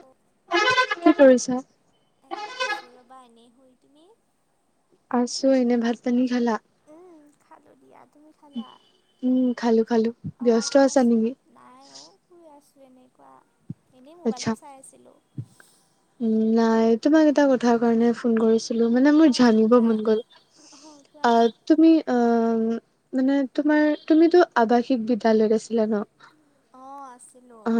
এ কি কৰিছ? হয় তুমি আছো এনে ভাত পানী খালা। উ খালো দিয়া। তুমি খালা উম খালো খালো। অঁ ব্যস্ত আছা কোৱাচোন নেকি? নাই অঁ শুই আছো। এনেকুৱা এনেই আচ্ছা। মোবাইলটো চাই আছিলো। উম নাই তোমাক এটা কথা কাৰণে ফোন কৰিছো। অঁ জানিব কোৱা মন গ'ল। অঁ কোৱা। অ তুমি অ মানে তোমাৰ তুমিতো আৱাসিক বিদ্যালয়ত আছিলা ন। হিলো। অ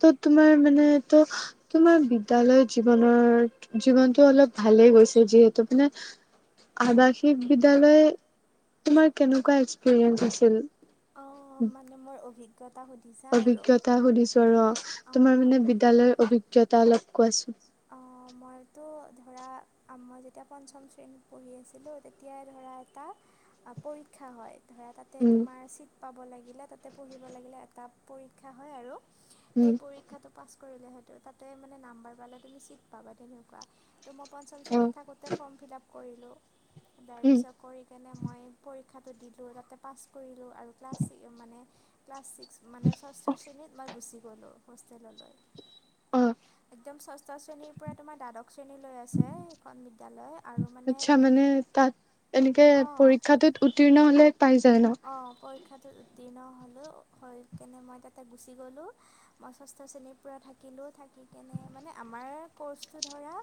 ত' তোমাৰ মানে তহ তোমাৰ বিদ্যালয় জীৱনৰ জীৱনতটো অলপ ভালে গৈছে যিহেতু মানে আৱাসিক বিদ্যালয় তোমাৰ কেনেকুৱা এক্সপিৰিয়েঞ্চ আছিল? অঁ মানে মোৰ অভিজ্ঞ অভিজ্ঞতা সুধিছো আৰু অ' অঁ তোমাৰ মানে বিদ্যালয়ৰ অভিজ্ঞতা অলপ কোৱাচোন অ'। মইতো ধৰা মই যেতিয়া পঞ্চম শ্ৰেণীত পঢ়ি আছিলো তেতিয়াই ধৰা এটা পৰীক্ষা হয়। ধৰা তাতে উম, তুমাৰ চিট পাব লাগিলে, তাতে পঢ়িব লাগিলে এটা পৰীক্ষা হয় আৰু উম, সেই পৰীক্ষাটো পাছ কৰিলে হয়তো, তাতে মানে নাম্বাৰ পালে তুমি চিট পাবা তেনেকুৱা। ত' মই পঞ্চম শ্ৰেণীত অ', থাকোঁতে ফৰ্ম ফিল আপ কৰিলোঁ। তাৰ উম, পিছত কৰি কেনে মই পৰী ক্ষাটো দিলোঁ, তাতে পাছ কৰিলোঁ আৰু ক্লাছ ছি মানে ক্লাছ ছিক্স মানে ষষ্ঠ শ্ৰেণীত মই গুচি গলো হোষ্টেললৈ। অ', একদম ষষ্ঠ ষষ্ঠ শ্ৰেণীৰ পৰা তোমাৰ দ্বাদশ শ্ৰেণী লৈ আছে এখন বিদ্যালয় আৰু মানে আচ্ছা তাত এনেকে অঁ পৰীক্ষাটোত উত্তীৰ্ণ হলে পাই যায় ন? পৰিক্ষাতো উত্তীৰ্ণ হ'লোঁ, হৈ কেনে মই তাতে গুচি গ'লোঁ, মই ষষ্ঠ শ্ৰেণীৰ পৰা থাকি থাকিলোঁ থাকি কেনে মানে আমাৰ কৰ্চটো ধৰা,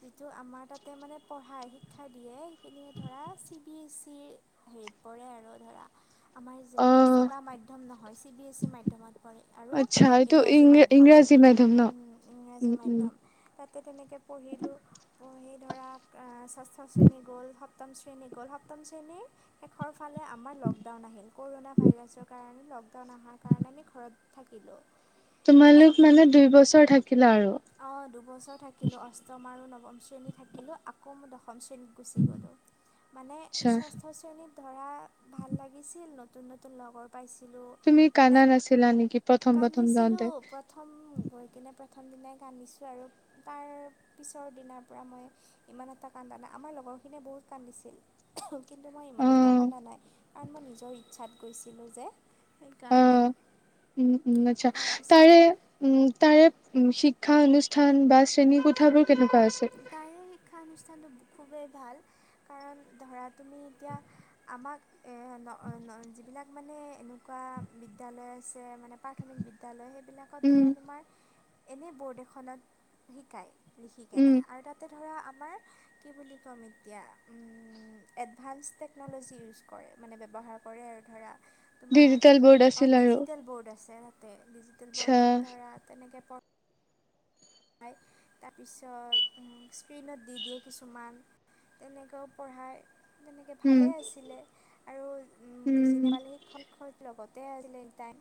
যিটো আমাৰ তাতে মানে পঢ়াই। শিক্ষা দিয়ে সেইখিনিয়ে ধৰা চি বি এছ ইৰ হেৰিত পৰে আৰু ধৰা আমাৰ যেনেকুৱা অ', চেবা মাধ্যম নহয়, চিবিএছচি মাধ্যমত পৰে আৰু ইংৰাজী মাধ্যম। কি উম মাধ্যম ন? উম উম। তেনেকে পঢ়িলোঁ, পঢ়ি ধৰা ষষ্ঠ শ্ৰেণী গ'ল। সপ্ত সপ্তম শ্ৰেণী গ'ল, সপ্তম শ্ৰেণীৰ শেষৰ ফালে আমাৰ লকডাউন আহিল কৰোণা ভাইৰাছৰ কাৰণে লকডাউন অহাৰ কাৰণে আমি ঘৰত থাকিলোঁ। তোমালোক মানে দুই বছৰ থাকি অ' দুবছৰ থাকিলো অষ্টম আৰু নৱম শ্ৰেণী থাকিলো আকৌ ম দশম দশম শ্ৰেণীত গুচি গ'লো মানে আচ্ছা। ষষ্ঠ শ্ৰেণীত ধৰা ভাল লাগিছিল নতু নতুন নতুন লগৰ পাইছিলোঁ তুমি মানে কানাত আছিলা নেকি প্ৰথম প্ৰথম কান্দিছিলো যাওঁতে? প্ৰথম গৈ কিনে প্ৰায় প্ৰথম দিনাই কান্দিছো আৰু তাৰ পিছৰ দিনাৰ পৰা মই ইমান এটা কান্দা নাই, আমাৰ লগৰখিনিয়ে বহুত কান্দিছিল। কিন্তু মই ইমান এটাও অ', কান্দা নাই কাৰণ মই নিজৰ ইচ্ছাত গৈছিলোঁ যে। সেইকাৰণে অ' উম-উম আচ্ছা, তাৰপিছত তাৰে উম তাৰে উ শিক্ষা অনুষ্ঠান বা শ্ৰেণী কোঠাবোৰ কেনেকুৱা আছে? তাৰে শিক্ষানুষ্ঠা নতো খুবেই ভাল কাৰণ ধৰা তুমি এতিয়া আমাক এ ন ন যিবিলাক এনেকুৱা বিদ্যালয় আছে মানে প্ৰাথমিক বিদ্যালয় সেই বিলাকত উম, ধৰা তোমাৰ এনেই বৰ্ড এখনত শিকায় উম, লিখিকেনে। ধৰা আমাৰ কি বুলি ক'ম এতিয়া, উমম এডভান্স টেকন'লজি ইউজ কৰে। মানে ব্যৱহাৰ কৰে আৰু ধৰা। তোমাৰ ডিজিটেল বৰ্ড অ' আছিল আৰু ডিজিটেল বৰ্ড আছে তাতে ডিজিটেল আচ্ছা বৰ্ডত ধৰা তেনেকে পায়, তাৰপিছত স্ক্ৰীণত দি দিয়ে কিছুমান। তেনেকেও পঢ়াই। তেনেকে উম, ভালে আছিলে আৰু বুজি উম, নাপালে শিক্ষক শিক্ষকৰ লগত তে আছিলে এনি টাইম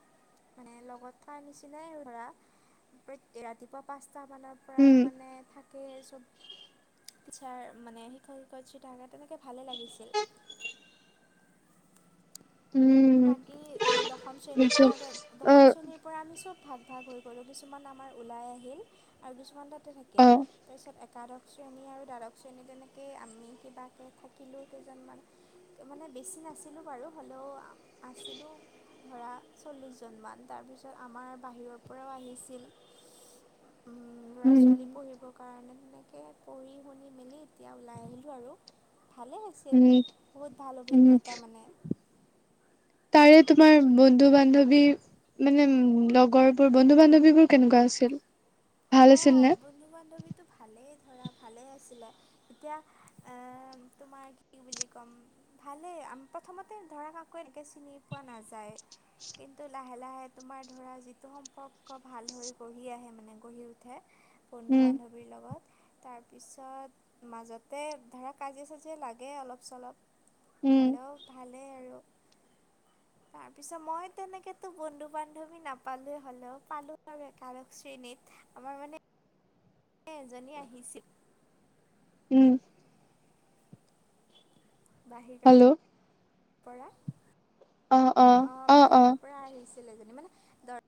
মানে লগত থকাৰ নিচিনাই আৰু ধৰা। ৰাতিপুৱা তা মানৰ পৰা উম, মানে থাকেই এইচব টিচাৰ মানে শিক্ষক, শিক্ষয়িত্ৰী থাকে, তেনেকে ভালে লাগিছিল। উম, বাকী দশম শ্ৰেণীত বুজিছোঁ তাৰপিছত দশম অ', শ্ৰেণীৰ পৰা আমি চব ভাগ ভাগ হৈ গলোঁ, কিছুমান আমাৰ ওলাই আহিল আৰু কিছুমান তাতে থাকিল। অ', তাৰপিছত এক একাদশ শ্ৰেণী আৰু দ্বাদশ শ্ৰেণী তেনেকেই আমি কিবাকৈ থাকিলেও কেইজনমান মানে বেছি নাছিলোঁ বাৰু হলেও আছিলোঁ ধৰা চল্লিছজনমান, তাৰপিছত আমাৰ বাহিৰৰ পৰাও আহিছিল। উম উম, ল'ৰা-ছোৱালী পঢ়িবৰ কাৰণে তাকে পঢ়ি- শুনি মেলি এতিয়া ওলাই আহিলোঁ আৰু। ভালে আছিল, উম, বহুত ভাল উম, অভিজ্ঞতা মানে। তাৰে তোমাৰ বন্ধু-বান্ধৱী মানে উম লগৰবোৰ বন্ধু-বান্ধৱীবোৰ কেনেকুৱা আছিল? ভাল আছিল অ' নে? বন্ধু-বান্ধৱীতো ভালেই ধৰা ভালেই আছিলে, এতিয়া এ তোমাক কি বুলি কম, ভালেই। আম প্ৰথমতে ধৰা কাকো এনেকে চিনি পোৱা নাযায়। কিন্তু লাহে লাহে তোমাৰ ধৰা যিটো সম্পৰ্ক ভাল হৈ গঢ়ি আহে মানে গঢ়ি উ উঠে উম, বন্ধু-বান্ধৱীৰ লগত তাৰপিছত মাজতে ধৰা কাজিয়া- চাজিয়া লাগে অলপ চলপ। উম, হলেও ভালেই আৰু। [inaudible] তাৰপিছত মই তেনেকেতো বন্ধু-বান্ধৱী নাপালোৱেই হলেও পালো আৰু একাদশ শ্ৰেণীত। আমাৰ মানে এ এজনী আহিছিল উম, বাহিৰৰ হেল্ল' পৰা। অঁ অঁ, অঁ অঁ। ছিল এইজনী মানে দৰ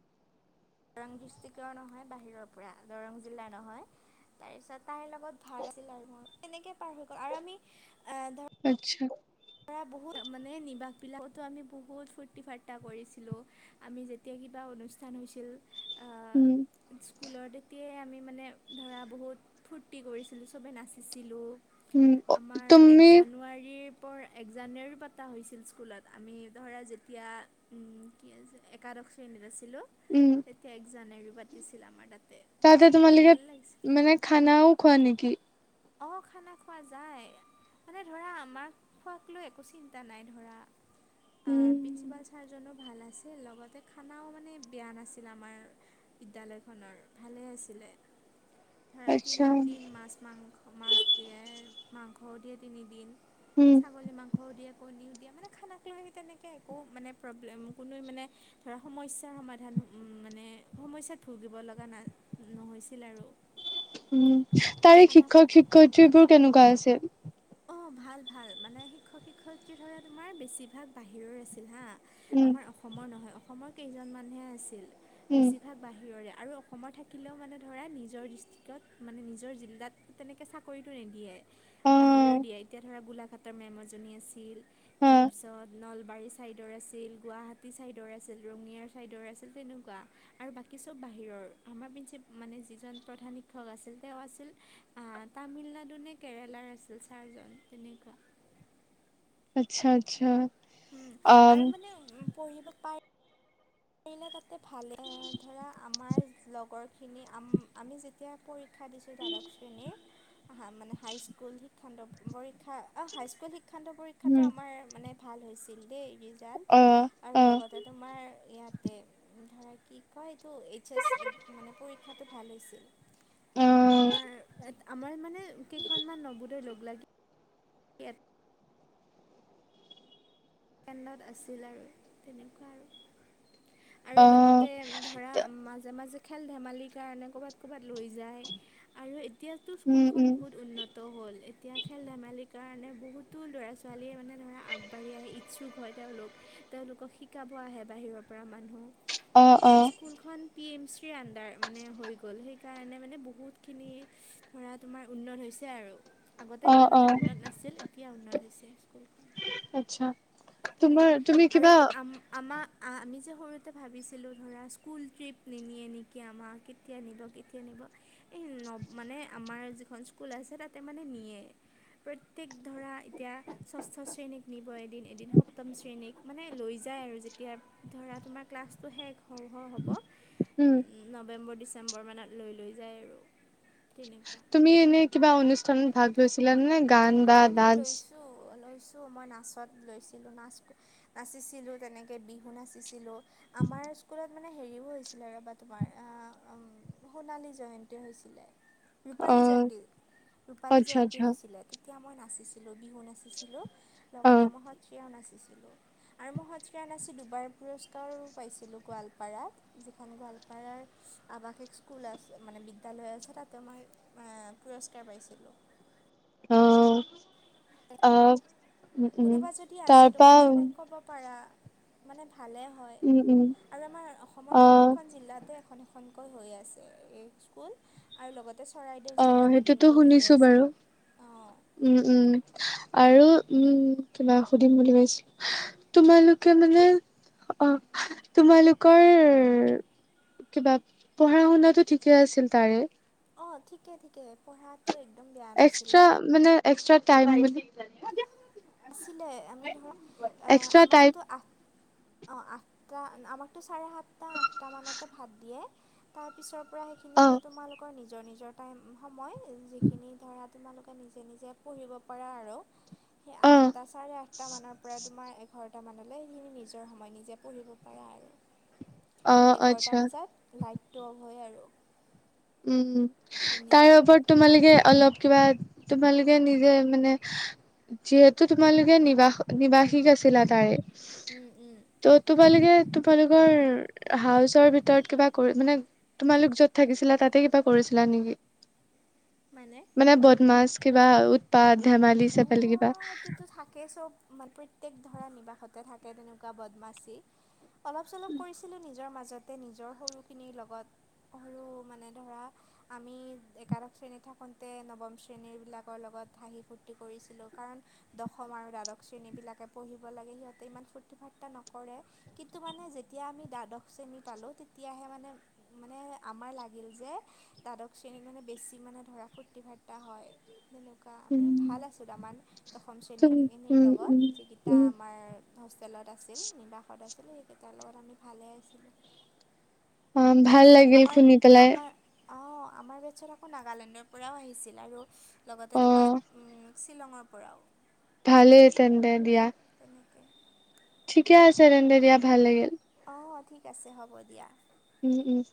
দৰং ডিষ্ট্ৰিকৰ নহয়, বাহিৰৰ পৰা দৰং জিলা নহয়। তাৰ পিছত তাইৰ লগত ভাল আছিল আৰু মোৰ তেনেকে পাৰ হৈ গ'ল আৰু আমি আহ ধৰ আচ্ছা। বহুত মানে নিবাস বিলাকতো আমি বহুত ফূৰ্তি- ফাৰ্তা কৰিছিলো আমি যেতিয়া কি এটা অনুষ্ঠান হৈছিল আ উম, স্কুলত এতিয়াই আমি মানে ধৰা বহুত ফূৰ্তি কৰিছিলো, চবে নাচিছিলো। উম। আমাৰ এক তুমি জানুৱাৰীৰ পৰ এক জানুৱাৰী পাতা হৈছিল স্কুলত, আমি ধৰা যেতিয়া উম কি আছিল একাদশ শ্ৰেণীত আছিলো, উম, তেতিয়া এক জানুৱাৰী পাতিছিল আমাৰ তাত। তাতে তোমালোকে মানে খানাও খোৱা নেকি? অ' খানা খোৱা যায়। মানে ধৰা আমাক খোৱাক লৈ একো চিন্তা নাই ধৰা উম, প্ৰিন্সিপাল ছা জনো ভাল আছিল লগতে খানাও মানে বেয়া নাছিল আমাৰ বিদ্যালয়খনৰ। ভাল ভালে আছিলে। [inaudible] ধৰা আচ্ছা তিনিদিন মাছ মাংস, মাছ দিয়ে, মাংসও দিয়ে তিনিদিন উম, ছাগলী মাংসও দিয়ে, কণীও দিয়ে। মানে খানাক লৈ আহি তেনেকে একো মানে প্ৰব্লেম কোনো মানে ধৰা সমস্যাৰ সমাধান উম মানে সমস্যাত ভুগিব লগা না নহৈছিল আৰু। উম, তাৰে খানা শিক্ষক- শিক্ষয়িত্ৰীবোৰ কেনেকুৱা আছিল? অ' ভাল ভাল মানে শিক্ষক-শিক্ষয়িত্ৰী ধৰা তোমাৰ বেছিভাগ বাহিৰৰ আছিল হা উম, আমাৰ অসমৰ নহয়, অসমৰ কেইজন মানুহে আছিল উম, বেছিভাগ বাহিৰৰে। আৰু অসমৰ থাকিলেও মানে ধৰা নিজৰ ডিষ্ট্ৰিক্টত মানে নিজৰ জিলাত তেনেকৈ চাকৰিটো নিদিয়ে। বাহিৰৰ অ', দিয়ে এতিয়া ধৰা গোলাঘাটৰ মেম এজনী আছিল, তাৰ অ', পিছত নলবাৰী নাৰী চাইডৰ আছিল, গুৱাহাটী চাইডৰ আছিল, ৰঙিয়াৰ চাইডৰ আছিল তেনুকুৱা আৰু বাকী চব বাহিৰৰ আমাৰ প্ৰিঞ্চিপাল মানে যিজন প্ৰধান শিক্ষক আছিল তেওঁ আছিল আ তামিলনাডু কেৰেলাৰ আছিল ছাৰজন তেনেকুৱা। আচ্ছা-আচ্ছা। উম আৰু মানে উ পঢ়িব পাৰি। পাৰিলে তাতে ভালে ধৰা আমাৰ লগৰখিনি আমি যেতিয়া শিক্ষা দিছোঁ দ্বাদশ শ্ৰেণীৰ মানে হাইস্কুল শিক্ষান্ত পৰীক্ষা অ হাইস্কুল শিক্ষান্ত পৰীক্ষাটো উম, আমাৰ মানে ভাল হৈছিল দেই। ৰিজাল্ট অ', আৰু অ', লগতে তোমাৰ ইয়াত ইয়াত ধৰা কি কয় এইটো এইচ এছ এক মানে পৰীক্ষাটো ভাল হৈছে অ', আমাৰ আমাৰ মানে কেইখনমান নবোদয়ৰ লগ লাগি ইয়াত কেণ্ডত আছিল আৰু তেনেকুৱা আৰু আৰু অ'। লগতে ধৰা মাজে মাজে খেল-ধেমালিৰ কাৰণে ক'ৰবাত, ক'ৰবাত লৈ যায় আৰু এতিয়াতো উম, স্কুলখন উম, বহুত উন্নত তো হ'ল, এতিয়া খেল ধেমালিৰ কাৰণে বহুতো ল'ৰা ছোৱালীয়ে মানে ধৰা আগবাঢ়ি আহি, ইছু ক হয় তেওঁলোক, তেওঁলোকক শিকাব আহে বাহিৰৰ পৰা মানুহ অ', মানে অ', স্কুলখন। পি এম চিৰ ৰ আণ্ডাৰ, মানে হৈ গ'ল সেইকাৰণে মানে বহুতখিনি ধৰা তোমাৰ উন্নত হৈছে। হৈছে আৰু আগতে অ', ইমান এটা অ', উন্নত নাছিল এতিয়া উন্নত হৈছে, স্কুলখন। আচ্ছা। তোমাৰ তেনেকে তুমি আৰু কিবা আম আমাৰ আমি যে সৰুতে ভাবিছিলোঁ ধৰা স্কুল ট্ৰিপ নিনিয়ে নেকি আমাক, কেতিয়া নিব কেতিয়া নিব। এই নব মানে আমাৰ যিখন স্কুল আছে তাঁতে মানে নিয়ে- প্ৰত্যেক ধৰা এতিয়া ষষ্ঠ শ্ৰেণীক নিব এদিন- এদিন সপ্তম শ্ৰেণীক মানে লৈ যায় আৰু যেতিয়া ধৰা তোমাৰ ক্লাছটো শেষ হওঁ হওঁ হ'ব। উম। নৱেম্বৰ ডিচেম্বৰ মানত লৈ লৈ যায় আৰু তেনেকুৱা। তুমি এনে কিবা অনুষ্ঠানত ভাগ লৈছিলা নে গান বা অহঁ মই ডান্স? লৈছোঁ। মই নাচত লৈছিলো, নাচ নাচিছিলো তেনেকে বিহু নাচিছিলো, আমাৰ এই স্কুলত মানে হেৰিও হৈছিলে ৰবা তোমাৰ সোণালী জয়ন্তী হৈছিলে। ৰূপালী অ', জয়ন্তী ৰূপালী আচ্ছা, জয়ন্তী আচ্ছা, হৈছিলে। নাচিছিলো বিহু নাচিছিলো লগতে মই সত্ৰীয়াওঁ নাচিছিলো। উ [inaudible] আৰু হতিয় [unintelligible] স্কণাচি দুবাৰ পুৰস্কাৰো পাইছিলোঁ গোৱালপাৰাত যিখন গোৱালপাৰাৰ, আৱাসিক স্কুল আছে মানে বিদ্যালয় আছে তাতে মই পুৰস্কাৰ পাইছিলো আহ আহ। কোনোবা যদি আছে তোমাৰ চিনাকি কব পাৰা মানে ভালে হয় উম, উম, আৰু আমাৰ অসমৰ অ'। প্ৰত্যেকখন জিলাতো এখন এখন এখন কৈ হৈ আছে এই স্কুলত অ সেইটোতো শুনিছো বাৰু অঁ উম উম। আৰু উম কিবা সুধিম বুলি ভাবিছিলো তোমালোকে মানে অ' তোমালোকৰ কিবা পঢ়া শুনা টো ঠিকেই আছিল তাৰে। অ ঠিকে ঠিকে পঢ়াত এক্সট্ৰা মানে এক্সট্ৰা টাইম আহিব আছিলে আমি ধৰা এ এক্সট্ৰা টাইপ আমাকতোঁ আঠ অ আঠটা আমাকতো চাৰে সাতটা আঠটা মানতে ভাত দিয়ে তাৰ পিছৰ। পৰা সেইখিনি অ আৰু তোমালোকৰ নিজৰ নিজৰ টাইম, সময় যিখিনি ধৰা। তোমালোকে নিজে নিজে পঢ়িব পাৰা আৰু অ এটা চাৰে আঠটা মানৰ পৰা তোমাৰ। ঘৰটামানলৈ নিজৰ সময় নিজে পঢ়িব পাৰা আৰু অ এঘাৰটা আচ্ছা বজাত লাইটটো অফ হয় আৰু উম তাৰ তেনেকুৱা ওপৰত তোমালোকে অলপ কিবা তোমালোকে নিজে মানে যিহেতু তোমালোকে নিবাস নিবাসী আছিলা তাৰে। উম উম ত তোমালোকে তোমালোকৰ হাউচৰ ভিতৰত কিবা কৰি মানে তোমালোক য'ত থাকিছিলা তাত ত কিবা কৰিছিলা নেকি মানে বদমাছ কিবা উৎপাত ধেমালি চেপালি কিবা অ' এইটোতো থাকেই চব মানে প্ৰত্যেক ধৰা নিবাসতে থাকে তেনেকুৱা বদমাচি, অলপ- চলপ কৰিছিলো নিজৰ মাজ যাতে নিজৰ সৰুখিনিৰ লগত সৰু মানে ধৰা আমি একাদশ শ্ৰেণী থাকোঁতে নৱম শ্ৰেণীবিলাকৰ লগত হাঁহি ফু তি কৰিছিলো কাৰণ দশম আৰু দ্বাদশ শ্ৰেণী বিলাকে পঢ়িব লাগে সিহঁতে ইমান ফূৰ্তি ফাৰ্তা নকৰে। কিন্তু মানে যেতিয়া আমি দ্বাদশ শ্ৰেণী পালো, তেতিয়াহে মানে মানে আমাৰ লাগিল। যে দ্বাদশ শ্ৰেণীৰ মানে বেছি মানে ধৰা ফূৰ্তি ফাৰ্তা হয় তেনেকুৱা আমি উম ভাল আছিলো আমাৰ দশম উম শ্ৰেণীখিনিৰ উম লগত যিকেইটা উম আমাৰ হোষ্টেলত আছিল। নিবাসত আছিলোঁ সেইকেইটাৰ লগত আমি ভালে আছিলোঁ। অ ভাল লাগিল আমাৰ সুনি পেলাই। আমাৰ অঁ আমাৰ বেটছত আকৌ নাগালেণ্ডৰ পৰাও আহিছিল আৰু লগতে অ তোমাৰ শ্বিলঙৰ পৰাও ভালেই তেন্তে দিয়া। তেনেকৈ ঠিকে আছে তেন্তে দিয়া ভাল লাগিল। অঁ ঠিক আছে হ'ব দিয়া। উম-উম।